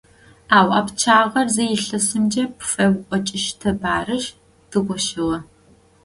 Ау а пчъагъэр зы илъэсымкӏэ пфэукӏочӏыщтэп, арышъ, дгощыгъэ.